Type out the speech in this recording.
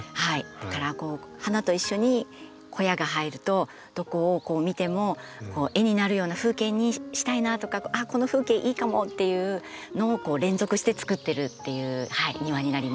だから花と一緒に小屋が入るとどこを見ても絵になるような風景にしたいなとかこの風景いいかも！っていうのを連続してつくってるっていう庭になります。